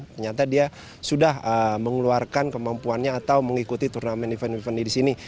ternyata dia sudah mengeluarkan kemampuannya atau mengikuti turnamen event event di sini